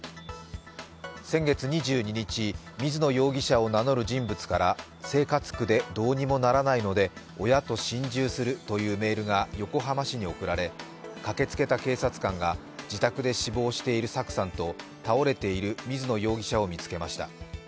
先月２２日、水野容疑者を名乗る人物から生活苦でどうにもならないので親と心中するというメールが横浜市に送られ、駆けつけた警察官が、自宅で死亡しているさくさんと倒れている水野容疑者を見つけました。